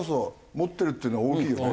持ってるっていうのは大きいよね。